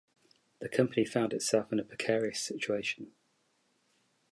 The company found itself in a precarious situation.